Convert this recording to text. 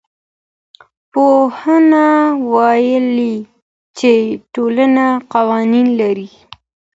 پوهانو ويلي چي ټولنه قوانين لري.